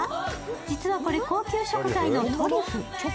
実はこれ、高級食材のトリュフ。